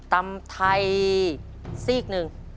ตำไทยซีกหนึ่ง